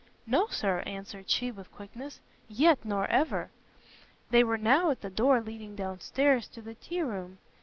"No, Sir," answered she, with quickness, "yet, nor ever!" They were now at the door leading down stairs to the tea room.